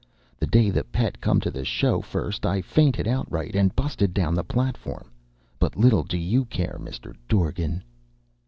The day the Pet come to the show first I fainted outright and busted down the platform, but little do you care, Mr. Dorgan."